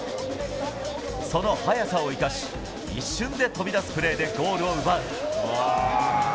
その速さを生かし、一瞬で飛び出すプレーでゴールを奪う。